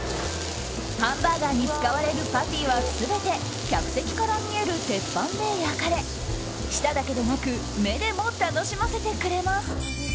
ハンバーガーに使われるパティは全て客席から見える鉄板で焼かれ舌だけでなく目でも楽しませてくれます。